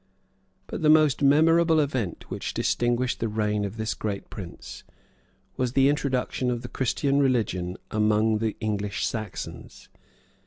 But the most memorable event which distinguished the reign of this great prince, was the introduction of the Christian religion among the English Saxons.